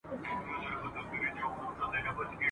حتماً یې دا شعر هم لوستی دی !.